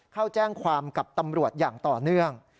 เข้าแจ้งความกับตำรวจอย่างต่อเนื่อง